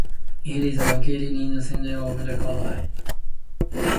It is located in the center of the krai.